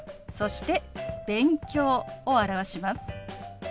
そして「勉強」を表します。